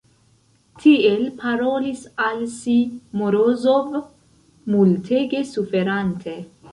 Tiel parolis al si Morozov, multege suferante.